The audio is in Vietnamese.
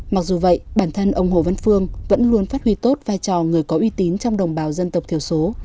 mặc dù vậy bản thân ông hồ văn phương vẫn luôn phát huy tốt vai trò người có uy tín trong đồng bào dân tộc thiểu số